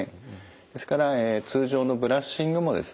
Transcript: ですから通常のブラッシングもですね